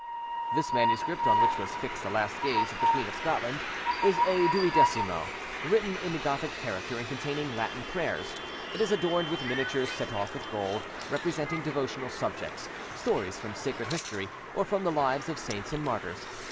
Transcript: This manuscript, on which was fixed the last gaze of the Queen of Scotland, is a duodecimo, written in the Gothic character and containing Latin prayers; it is adorned with miniatures set off with gold, representing devotional subjects, stories from sacred history, or from the lives of saints and martyrs.